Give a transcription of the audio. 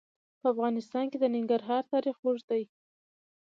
په افغانستان کې د ننګرهار تاریخ اوږد دی.